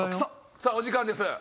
さあお時間です。